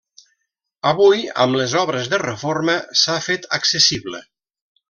Avui, amb les obres de reforma, s'ha fet accessible.